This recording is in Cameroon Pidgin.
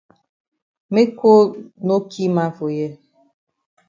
Make cold no ki man for here.